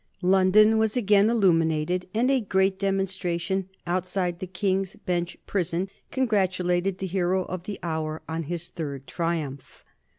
London was again illuminated, and a great demonstration outside the King's Bench Prison congratulated the hero of the hour on his third triumph.